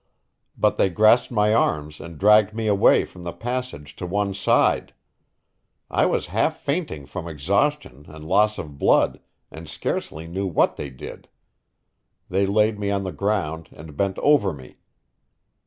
But they grasped my arms and dragged me away from the passage to one side. I was half fainting from exhaustion and loss of blood, and scarcely knew what they did. They laid me on the ground and bent over me.